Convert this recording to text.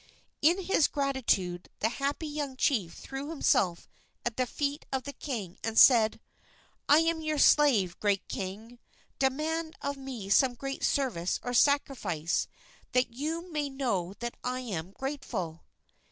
In his gratitude the happy young chief threw himself at the feet of the king and said: "I am your slave, great king! Demand of me some great service or sacrifice, that you may know that I am grateful!"